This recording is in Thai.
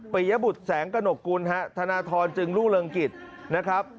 ยบุตรแสงกระหนกกุลฮะธนทรจึงรุ่งเรืองกิจนะครับ